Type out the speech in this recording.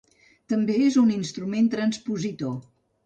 També és un instrument transpositor.